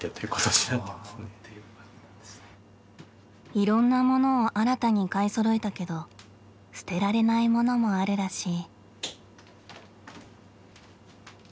いろんなものを新たに買いそろえたけど捨てられないものもあるらしい。